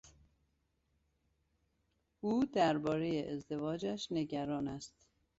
او دربارهی ازدواجش نگران است.